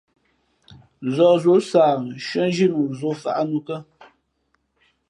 Zᾱh zǒ sah nshʉ́ά zhínu zǒ faʼá nǔkα ?